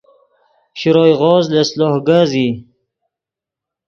شروئے غوز لس لوہ کز ای